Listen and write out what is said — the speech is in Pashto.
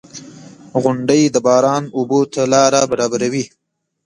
• غونډۍ د باران اوبو ته لاره برابروي.